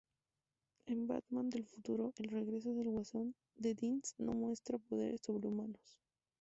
En "Batman del Futuro: El Regreso del Guasón", The Deeds no muestran poderes sobrehumanos.